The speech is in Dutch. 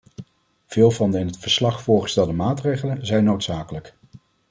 Veel van de in het verslag voorgestelde maatregelen zijn noodzakelijk.